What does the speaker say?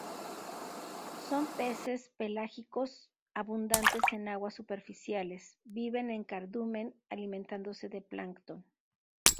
Son peces pelágicos abundantes en aguas superficiales; viven en cardumen alimentándose de plancton.